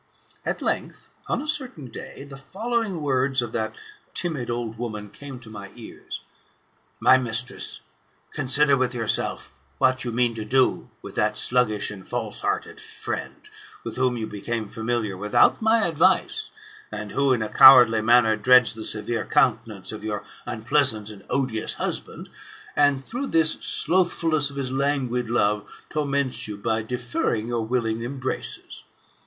At length, on a certain day, the following words of that timid old woman came to my ears: "My mistress, consider with yourself what you mean to do with that sluggish and false hearted friend, with whom you became familiar without my advice, and who in a cowardly manner dreads the severe countenance of your unpleasant and odious husband, and through this slothfulness of his languid love, torments you by deferring your willing embraces.